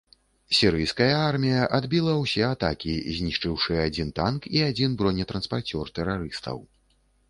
Сірыйская армія адбіла ўсе атакі, знішчыўшы адзін танк і адзін бронетранспарцёр тэрарыстаў.